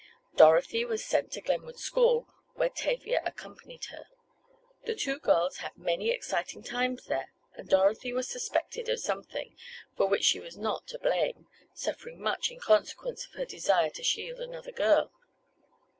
Dorothy was sent to Glenwood School, where Tavia accompanied her. The two girls had many exciting times there, and Dorothy was suspected of something for which she was not to blame, suffering much in consequence of her desire to shield another girl.